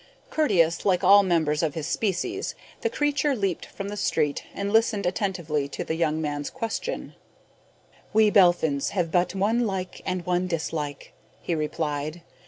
Courteous, like all members of his species, the creature leaped from the street and listened attentively to the young man's question. "We Belphins have but one like and one dislike," he replied.